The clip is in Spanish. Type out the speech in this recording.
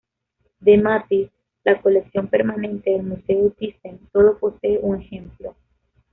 De Matisse, la colección permanente del Museo Thyssen sólo posee un ejemplo.